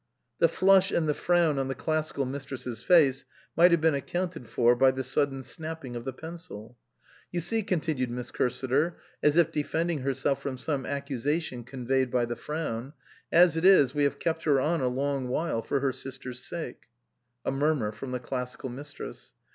The flush and the frown on the Classical Mistress's face might have been accounted for by the sudden snapping of the pencil. "You see," continued Miss Cursiter, as if defending herself from some accusation con veyed by the frown, "as it is we have kept her on a long while for her sister's sake." (A murmur from the Classical Mistress.)